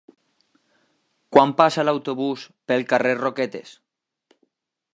Quan passa l'autobús pel carrer Roquetes?